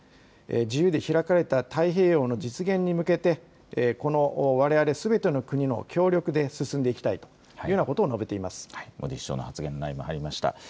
自由で開かれた太平洋の実現に向けて、このわれわれすべての国の協力で進んでいきたいというようモディ首相の発言が今、入りました。